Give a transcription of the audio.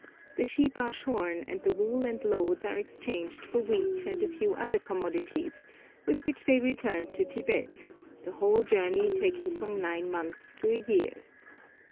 The sheep are shorn, and the wool and loads are exchanged for wheat and a few other commodities, with which they return to Tibet, the whole journey taking from nine months to a year.